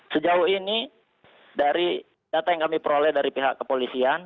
sejauh ini dari data yang kami peroleh dari pihak kepolisian